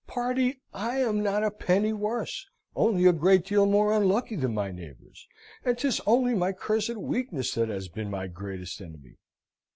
Pardi, I am not a penny worse, only a great deal more unlucky than my neighbours, and 'tis only my cursed weakness that has been my greatest enemy!"